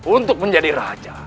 untuk menjadi raja